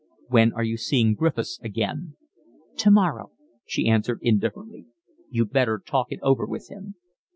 "When are you seeing Griffiths again?" "Tomorrow," she answered indifferently. "You'd better talk it over with him."